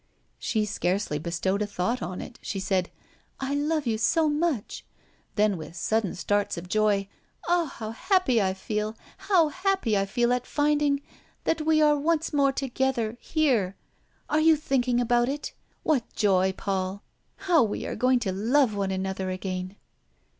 She scarcely bestowed a thought on it; she said: "I love you so much!" Then, with sudden starts of joy: "Ah! how happy I feel, how happy I feel at finding that we are once more together, here! Are you thinking about it? What joy, Paul! How we are going to love one another again!"